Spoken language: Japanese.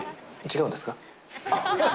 違うんですか？